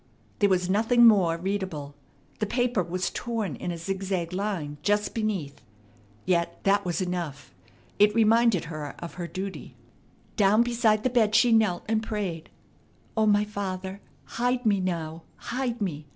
There was nothing more readable. The paper was torn in a zigzag line just beneath. Yet that was enough. It reminded her of her duty. Down beside the bed she knelt, and prayed: "O my Father, hide me now; hide me!